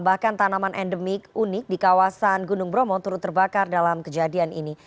bahkan tanaman endemik unik di kawasan gunung bromo turut terbakar dalam kejadian ini